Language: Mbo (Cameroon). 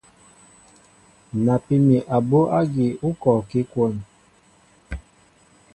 Napí mi abú ágí kɔɔkí kwón.